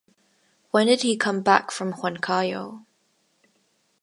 When did he come back from Huancayo?